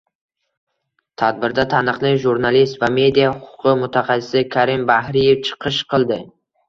Tadbirda taniqli jurnalist va media huquqi mutaxassisi Karim Bahriyev chiqish qildi